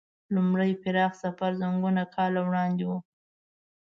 لومړی پراخ سفر زرګونه کاله وړاندې و.